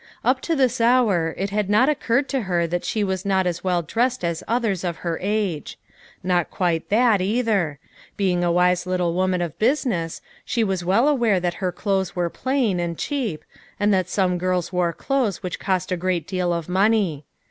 Up to this hour, it had not occurred to her that she was not as well dressed as others of her age. Not quite that, either ; being a wise little woman of business, she 146 LITTLE FISHERS! AND THEIR NETS. was well aware that her clothes were plain, and cheap, and that some girls wore clothes which cost a great deal of money.